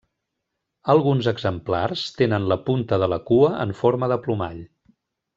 Alguns exemplars tenen la punta de la cua en forma de plomall.